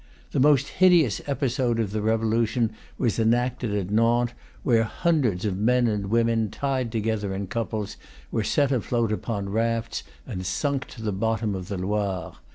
The most hideous episode of the Revolution was enacted at Nantes, where hundreds of men and women, tied to gether in couples, were set afloat upon rafts and sunk to the bottom of the Loire.